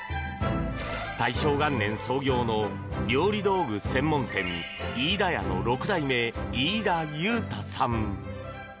大正元年創業の料理道具専門店飯田屋の６代目、飯田結太さん。